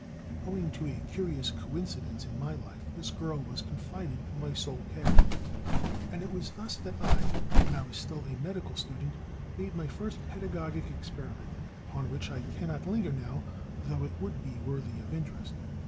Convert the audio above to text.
Owing to a curious coincidence in my life, this girl was confided to my sole care; and it was thus that I, when I was still a medical student, made my first pedagogic experiment, upon which I cannot linger now, though it would be worthy of interest.